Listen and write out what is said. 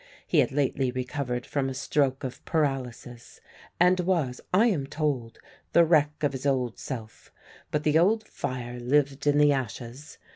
He had lately recovered from a stroke of paralysis, and was (I am told) the wreck of his old self; but the old fire lived in the ashes.